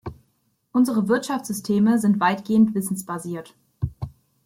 Unsere Wirtschaftssysteme sind weitgehend wissensbasiert.